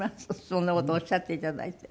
そんな事おっしゃっていただいて。